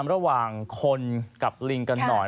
ระหว่างคนกับลิงกันหน่อย